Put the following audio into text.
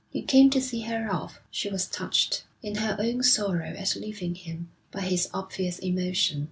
He came to see her off. She was touched, in her own sorrow at leaving him, by his obvious emotion.